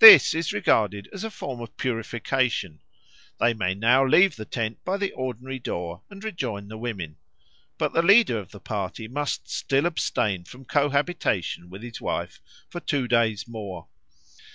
This is regarded as a form of purification; they may now leave the tent by the ordinary door and rejoin the women. But the leader of the party must still abstain from cohabitation with his wife for two days more.